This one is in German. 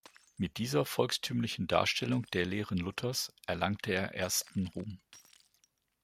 Mit dieser volkstümlichen Darstellung der Lehren Luthers erlangte er ersten Ruhm.